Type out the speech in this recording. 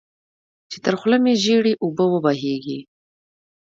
چې تر خوله مې ژېړې اوبه وبهېږي.